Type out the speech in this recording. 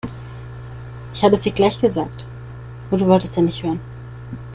Ich habe es dir gleich gesagt, aber du wolltest ja nicht hören.